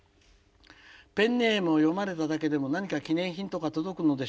「ペンネームを読まれただけでも何か記念品とか届くのでしょうか」。